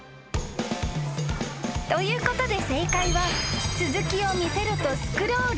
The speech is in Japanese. ということで正解は］